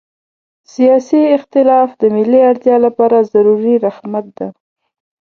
سیاسي اختلاف د ملي اړتیا لپاره ضروري رحمت ده.